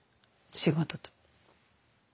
仕事と。